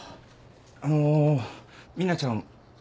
あのミナちゃん